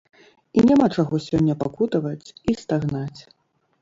І няма чаго сёння пакутаваць і стагнаць.